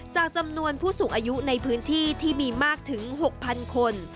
จำนวนผู้สูงอายุในพื้นที่ที่มีมากถึง๖๐๐๐คน